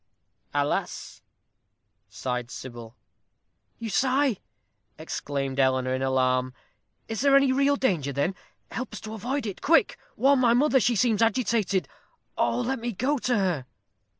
"Alas!" sighed Sybil. "You sigh!" exclaimed Eleanor, in alarm. "Is there any real danger, then? Help us to avoid it. Quick, warn my mother; she seems agitated. Oh, let me go to her."